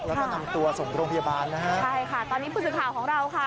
แล้วก็นำตัวส่งโรงพยาบาลนะฮะใช่ค่ะตอนนี้ผู้สื่อข่าวของเราค่ะ